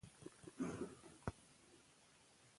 که بزګر زیارکښ وي نو فصل نه وچیږي.